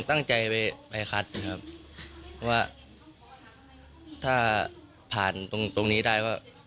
ตั้งใจไปคัดว่าถ้าผ่านตรงนี้ได้